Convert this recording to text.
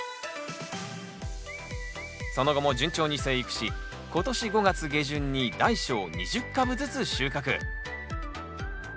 その後も順調に生育し今年５月下旬に大小２０株ずつ収穫。